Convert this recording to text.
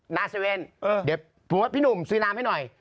หน้า๗๑๑เดี๋ยวพี่หนุ่มซื้อน้ำให้หน่อย